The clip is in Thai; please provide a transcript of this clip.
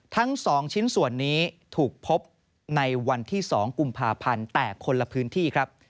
ทั้ง๒ชิ้นส่วนนี้ถูกพบในวันที่๒กุมภาพันธ์แต่คนละพื้นที่ครับ